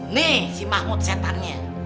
nih si mahmud setannya